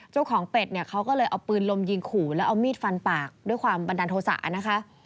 เป็ดเนี่ยเขาก็เลยเอาปืนลมยิงขู่แล้วเอามีดฟันปากด้วยความบันดาลโทษะนะคะ